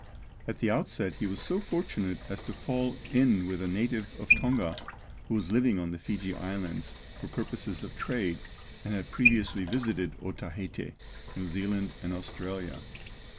At the outset he was so fortunate as to fall in with a native of Tonga who was living on the Fiji Islands for purposes of trade, and had previously visited Otaheite, New Zealand, and Australia.